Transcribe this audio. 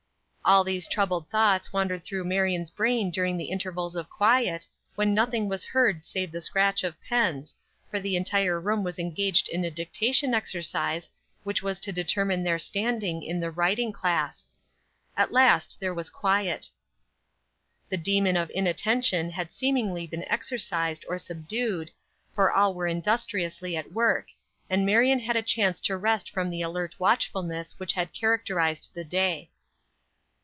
All these troubled thoughts wandered through Marion's brain during the intervals of quiet, when nothing was heard save the scratch of pens, for the entire room was engaged in a dictation exercise, which was to determine their standing in the writing class. At last there was quiet. The demon of inattention had seemingly been exorcised or subdued, for all were industriously at work, and Marion had a chance to rest from the alert watchfulness which had characterized the day.